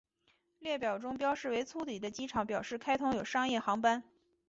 列表中标示为粗体的机场表示开通有商业航班。